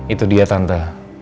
itu dia tante